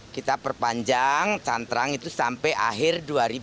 kita perpanjang cantrang itu sampai akhir dua ribu dua puluh